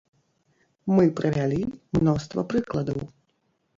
Мы прывялі мноства прыкладаў.